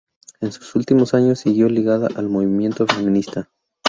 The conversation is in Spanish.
En sus últimos años siguió ligada al movimiento feminista.